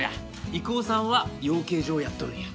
郁夫さんは養鶏場をやっとるんや。